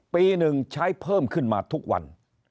ปีหนึ่งใช้เพิ่มขึ้นมาทุกวัน